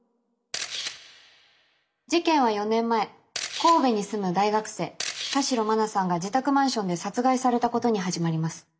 事件は４年前神戸に住む大学生田代真菜さんが自宅マンションで殺害されたことに始まります。